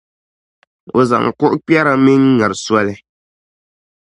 O zaŋ kuɣikpɛra me n-ŋari n soli.